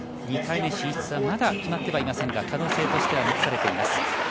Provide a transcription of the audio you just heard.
２回目進出はまだ決まってはいませんが可能性としては残されています。